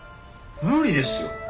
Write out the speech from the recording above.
無理ですよ。